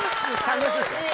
楽しい。